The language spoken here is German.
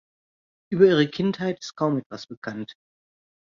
Über ihre Kindheit ist kaum etwas bekannt.